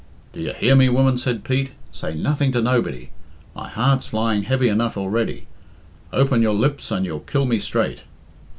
"Do you hear me, woman?" said Pete; "say nothing to nobody. My heart's lying heavy enough already. Open your lips, and you'll kill me straight."